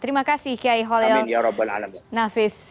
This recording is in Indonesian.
terima kasih iqaulil nafis